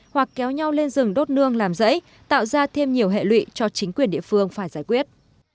hoặc kéo nhau lên rừng đốt nương làm rẫy tạo ra thêm nhiều hệ lụy cho chính quyền địa phương phải giải quyết